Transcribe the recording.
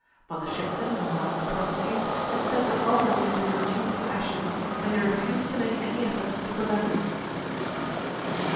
Mother Shipton, in one of her prophecies, had said that London would be reduced to ashes, and they refused to make any efforts to prevent it.